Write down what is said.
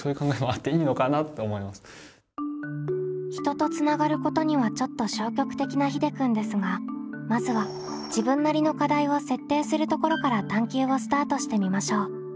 人とつながることにはちょっと消極的なひでくんですがまずは自分なりの課題を設定するところから探究をスタートしてみましょう。